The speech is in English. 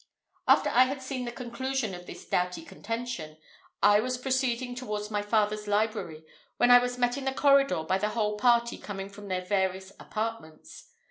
After I had seen the conclusion of this doughty contention, I was proceeding towards my father's library, when I was met in the corridor by the whole party coming from their various apartments.